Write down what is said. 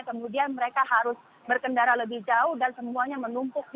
kemudian mereka harus berkendara lebih jauh dan semuanya menumpuk